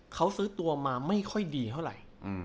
เขาซื้อตัวมาไม่ค่อยดีเท่าไหร่